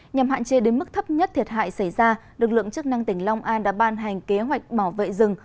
nhằm hạn chế đến mức thấp nhất thiệt hại xảy ra lực lượng chức năng tỉnh long an đã ban hành kế hoạch bảo vệ rừng